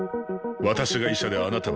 私が医者であなたは患者。